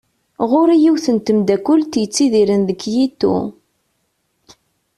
Ɣur-i yiwet n tmeddakelt yettidiren deg Kyito.